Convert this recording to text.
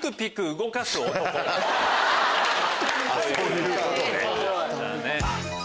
あっそういうことね。